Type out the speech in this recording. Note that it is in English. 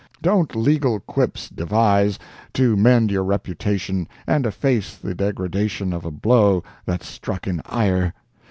Don't legal quips devise To mend your reputation, And efface the degradation Of a blow that's struck in ire!